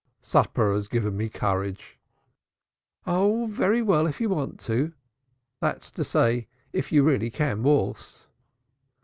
"Supper has given me courage." "Oh, very well if you want to, that's to say if you really can waltz."